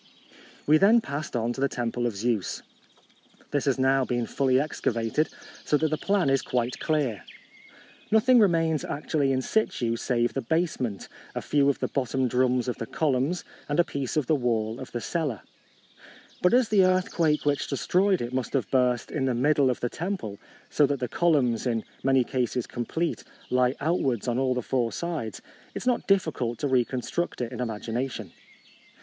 AVe then passed on to the temple of Zeus. This has now been fully ex cavated, so that the plan is quite clear. Nothing remains actually in situ save the basement, a few of the bottom drums of the columns, and a piece of the wall of the cella. But as the earthquake which de stroyed it must have burst in the middle of the temple, so that the columns, in many cases complete, lie outwards on all the four sides, it is not difficult to reconstruct it in imagination.